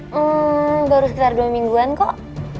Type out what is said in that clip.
hmm baru sekitar dua mingguan kok